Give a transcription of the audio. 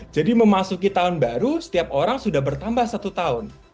jadi memasuki tahun baru setiap orang sudah bertambah satu tahun